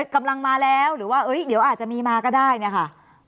กำลังมาแล้วหรือว่าเดี๋ยวอาจจะมีมาก็ได้เนี่ยค่ะ